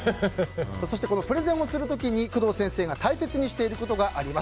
プレゼンをする時に工藤先生が大切にしていることがあります。